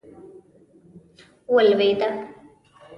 ولوېده.